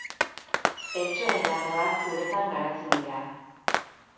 Eltxoen larbak uretan garatzen dira.